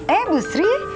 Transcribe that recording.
eh bu sri